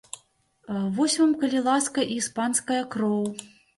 Вось вам, калі ласка, і іспанская кроў!